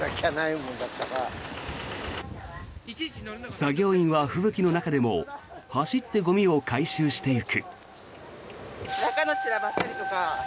作業員は吹雪の中でも走ってゴミを回収していく。